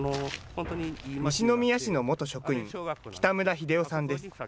西宮市の元職員、北村英夫さんです。